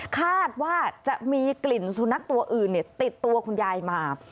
คาดว่าจะมีกลิ่นสุนัขตัวอื่นติดตัวคุณยายมา